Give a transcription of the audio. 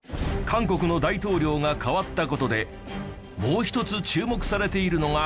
韓国の大統領が代わった事でもう一つ注目されているのが。